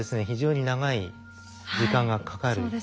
非常に長い時間がかかる。